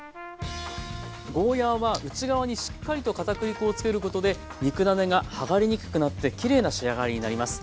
ゴーヤーは内側にしっかりとかたくり粉をつけることで肉ダネがはがれにくくなってきれいな仕上がりになります。